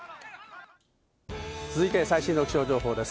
続いて最新の気象情報です。